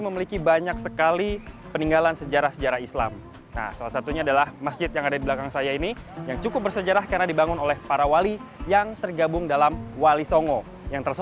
masjid agung sang ciptarasa